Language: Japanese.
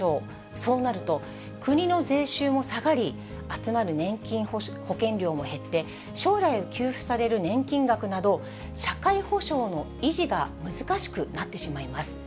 そうなると、国の税収も下がり、集まる年金保険料も減って、将来給付される年金額など、社会保障の維持が難しくなってしまいます。